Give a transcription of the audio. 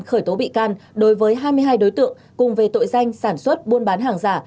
khởi tố bị can đối với hai mươi hai đối tượng cùng về tội danh sản xuất buôn bán hàng giả